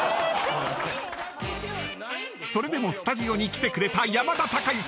［それでもスタジオに来てくれた山田孝之］